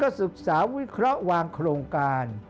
ศึกษาวิเคราะห์วางโครงการ